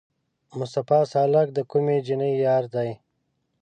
مصطفی سالک د کومې جینۍ یار دی؟